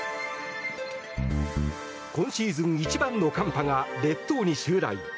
今シーズン一番の寒波が列島に襲来。